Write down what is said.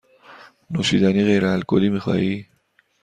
نوشیدنی غیر الکلی می خواهی؟